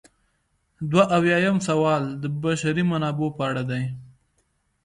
دوه اویایم سوال د بشري منابعو په اړه دی.